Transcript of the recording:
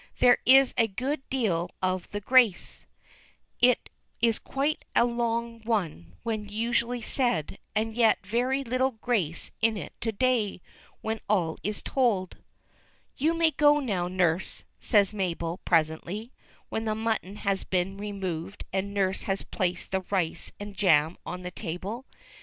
There is a good deal of the grace; it is quite a long one when usually said, and yet very little grace in it to day, when all is told. "You may go now, nurse," says Mabel, presently, when the mutton had been removed and nurse had placed the rice and jam on the table. "Mr.